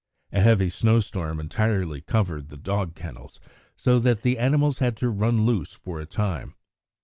A heavy snow storm entirely covered the dog kennels, so that the animals had to run loose for a time.